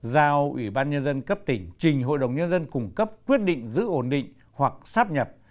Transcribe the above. giao ủy ban nhân dân cấp tỉnh trình hội đồng nhân dân cung cấp quyết định giữ ổn định hoặc sắp nhập